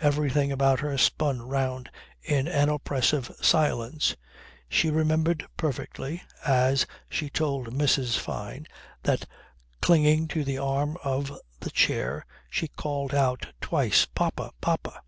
Everything about her spun round in an oppressive silence. She remembered perfectly as she told Mrs. Fyne that clinging to the arm of the chair she called out twice "Papa! Papa!"